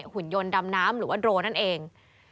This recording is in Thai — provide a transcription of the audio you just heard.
หุ่นยนต์ดำน้ำหรือว่าโดรนั่นเอง